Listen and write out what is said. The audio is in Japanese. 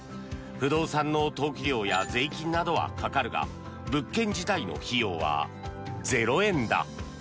不動産の登記料や税金などはかかるが物件自体の費用は０円だ。